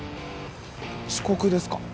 遅刻ですか？